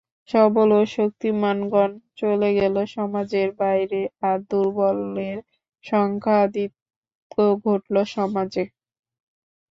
সবল ও শক্তিমানগণ চলে গেল সমাজের বাইরে, আর দুর্বলের সংখ্যাধিক্য ঘটল সমাজে।